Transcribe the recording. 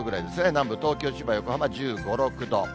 南部、東京、千葉、横浜、１５、６度。